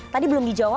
tadi belum dijawab